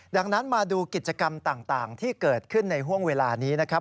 ดังนั้นมาดูกิจกรรมต่างที่เกิดขึ้นในห่วงเวลานี้นะครับ